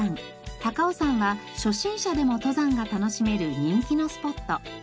高尾山は初心者でも登山が楽しめる人気のスポット。